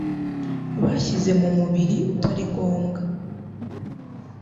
bashyize mu mubiri utari ngombwa.